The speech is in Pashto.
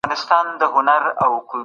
تعلیم د بدلون لامل شوی و.